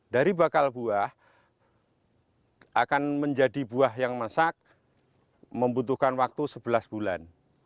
dari bakal buah akan menjadi buah yang masak membutuhkan waktu sebelas bulan